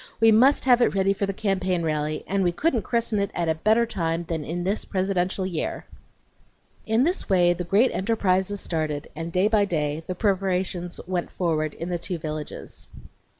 We must have it ready for the campaign rally, and we couldn't christen it at a better time than in this presidential year." II In this way the great enterprise was started, and day by day the preparations went forward in the two villages.